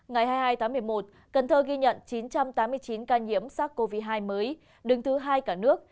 ngày hai mươi hai tháng một mươi một cần thơ ghi nhận chín trăm tám mươi chín ca nhiễm sars cov hai mới đứng thứ hai cả nước